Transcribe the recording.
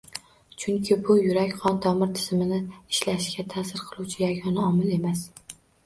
Chunki bu yurak-qon tomir tizimining ishlashiga taʼsir qiluvchi yagona omil emas.